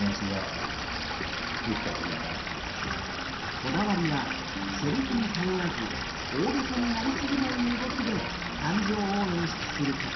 こだわりはセリフに頼らず大げさになりすぎない動きで感情を演出すること。